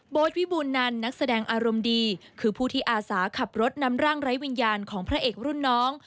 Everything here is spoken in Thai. วิบูรณันนักแสดงอารมณ์ดีคือผู้ที่อาสาขับรถนำร่างไร้วิญญาณของพระเอกรุ่นน้อง